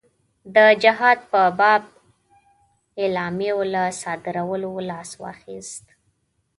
د جهاد په باب اعلامیو له صادرولو لاس واخیست.